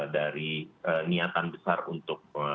dari niatan besar untuk